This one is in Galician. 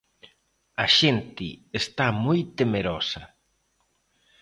A xente está moi temerosa.